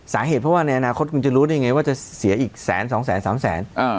สาเหตุเพราะว่าในอนาคตคุณจะรู้ได้ไงว่าจะเสียอีกแสนสองแสนสามแสน